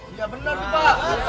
iya benar pak